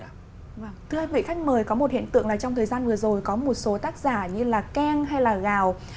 thưa quý vị khách mời có một hiện tượng là trong thời gian vừa rồi có một số tác giả như là keng hay là gào